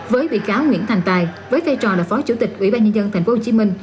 với bị cáo nguyễn thành tài với vai trò là phó chủ tịch ủy ban nhân dân tp hcm